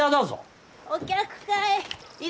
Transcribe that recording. お客かい？